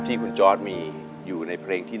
ที่คุณจอร์ดมีอยู่ในเพลงที่๑